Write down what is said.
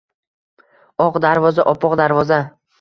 Oq darvoza, oppoq darvoza!